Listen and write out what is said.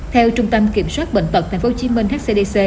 theo trung tâm kiểm soát bệnh tật tp hcm